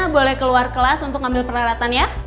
boleh keluar kelas untuk ngambil peralatan ya